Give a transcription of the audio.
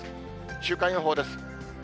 週間予報です。